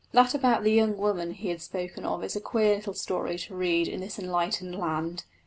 That about the young woman he had spoken of is a queer little story to read in this enlightened land.